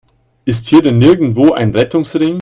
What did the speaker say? Ist hier denn nirgendwo ein Rettungsring?